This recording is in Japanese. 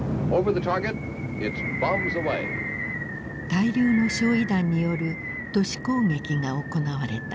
大量の焼い弾による都市攻撃が行われた。